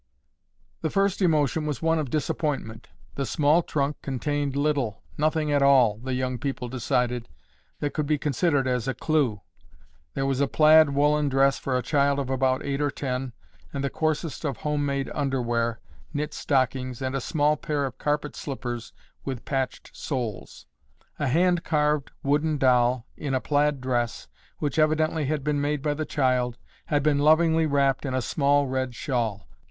The first emotion was one of disappointment. The small trunk contained little, nothing at all, the young people decided, that could be considered as a clue. There was a plaid woolen dress for a child of about eight or ten and the coarsest of home made underwear, knit stockings and a small pair of carpet slippers with patched soles. A hand carved wooden doll, in a plaid dress, which evidently had been made by the child, had been lovingly wrapped in a small red shawl.